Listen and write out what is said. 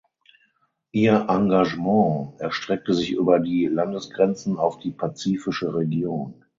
Ihr Engagement erstreckte sich über die Landesgrenzen auf die pazifische Region.